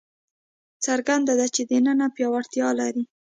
څرګنده ده چې دننه پیاوړتیا لري.